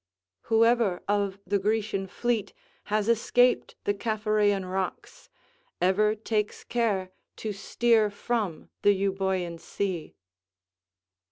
["Whoever of the Grecian fleet has escaped the Capharean rocks, ever takes care to steer from the Euboean sea."